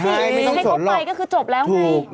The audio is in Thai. ใช่ไม่ต้องสนหรอกถูกนะฮะให้เขาไปก็คือจบแล้ว